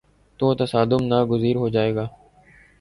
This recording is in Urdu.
تو تصادم ناگزیر ہو جائے گا۔